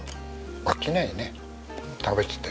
飽きないよね食べてて。